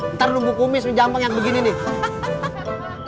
ntar nunggu kumis jambang yang begini nih